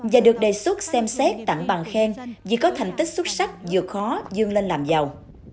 và được đề xuất xem xét tặng bằng khen vì có thành tích xuất sắc vượt khó dương lên làm giàu